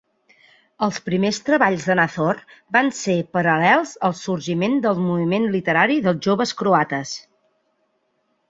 Els primers treballs de Nazor van ser paral·lels al sorgiment del moviment literari dels Joves Croates.